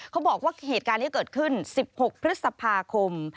เขาบอกว่าเหตุการณ์นี้เกิดขึ้น๑๖พฤษภาคม